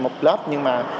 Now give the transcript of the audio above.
một lớp nhưng mà